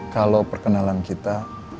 kalau perkenalan kita